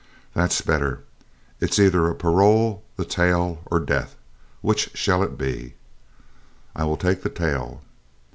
"That's better. It's either a parole, the tail, or death. Which shall it be?" "I will take the tail."